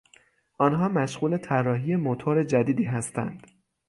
آنها مشغول طراحی موتور جدیدی هستند.